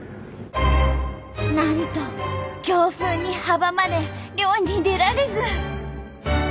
なんと強風に阻まれ漁に出られず！